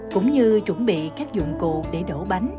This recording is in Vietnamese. cũng như chuẩn bị các dụng cụ để đổ bánh